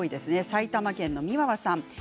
埼玉県の方です。